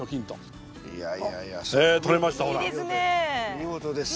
見事です。